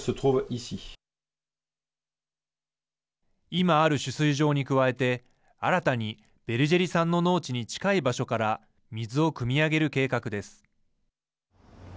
今ある取水場に加えて新たに、ベルジェリさんの農地に近い場所から水をくみ上げる計画です。